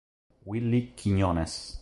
Willie Quiñones